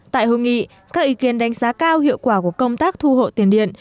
tại hội nghị các ý kiến đánh giá cao hiệu quả của công tác thu hộ tiền điện